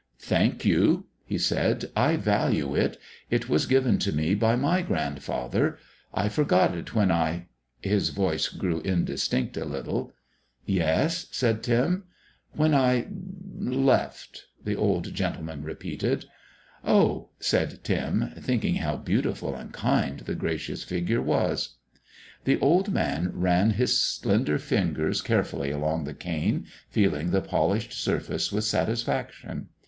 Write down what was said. "Thank you," he said; "I value it. It was given to me by my grandfather. I forgot it when I " His voice grew indistinct a little. "Yes?" said Tim. "When I left," the old gentleman repeated. "Oh," said Tim, thinking how beautiful and kind the gracious figure was. The old man ran his slender fingers carefully along the cane, feeling the polished surface with satisfaction.